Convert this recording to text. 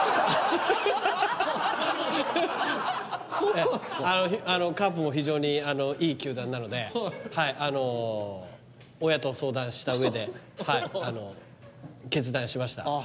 あのカープも非常にいい球団なのではい親と相談した上で決断しました